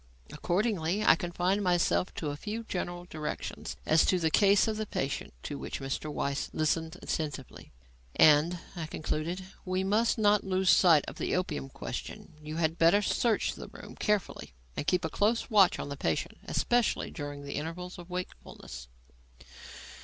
Accordingly, I confined myself to a few general directions as to the care of the patient, to which Mr. Weiss listened attentively. "And," I concluded, "we must not lose sight of the opium question. You had better search the room carefully and keep a close watch on the patient, especially during his intervals of wakefulness."